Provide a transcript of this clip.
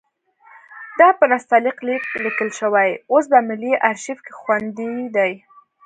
دا په نستعلیق لیک لیکل شوی اوس په ملي ارشیف کې خوندي دی.